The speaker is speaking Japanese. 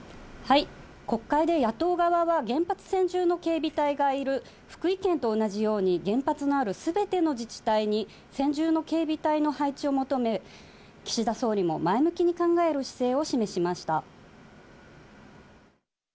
国会で野党側は、原発専従の警備隊がいる福井県と同じように、原発のあるすべての自治体に、専従の警備隊の配置を求め、岸田総理も前向きに考える姿勢を